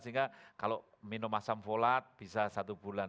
sehingga kalau minum asam folat bisa satu bulan